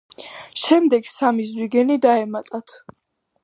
შემდეგ სამი ზვიგენი დაემატათ.